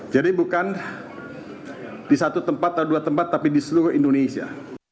jadi bukan di satu tempat atau dua tempat tapi di seluruh indonesia